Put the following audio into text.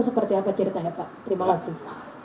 seperti apa ceritanya pak terima kasih